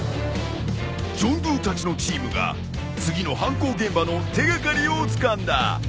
ジョンドゥーたちのチームが次の犯行現場の手掛かりをつかんだ！